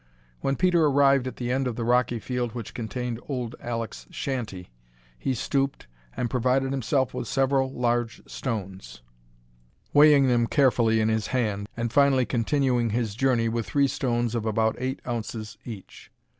When Peter arrived at the end of the rocky field which contained old Alek's shanty he stooped and provided himself with several large stones, weighing them carefully in his hand, and finally continuing his journey with three stones of about eight ounces each.